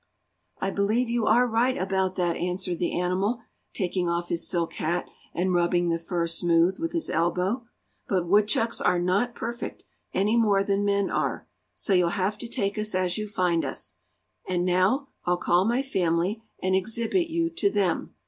"I believe you are right about that," answered the animal, taking off his silk hat and rubbing the fur smooth with his elbow. "But woodchucks are not perfect, any more than men are, so you'll have to take us as you find us. And now I'll call my family, and exhibit you to them.